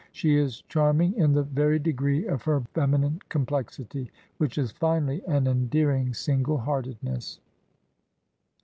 She is charm ^^/''/ /pjj^ ing in the very degree of her feminine complexity, //. Jy^ j^ which is finally an endearing single heartedness.